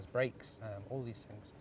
brak dan lain lain